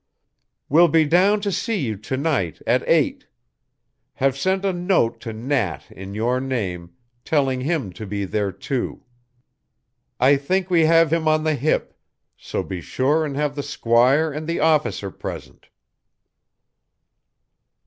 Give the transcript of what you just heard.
"Will be down to see you to night at eight. Have sent a note to Nat in your name, telling him to be there, too. I think we have him on the hip, so be sure and have the squire and the officer present."